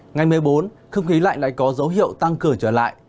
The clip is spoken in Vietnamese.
ngày một mươi bốn không khí lạnh lại có dấu hiệu tăng cường trở lại